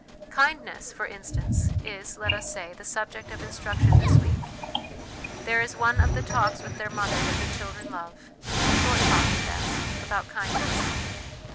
Kindness, for instance, is, let us say, the subject of instruction this week. There is one of the talks with their mother that the children love a short talk is best about kindness.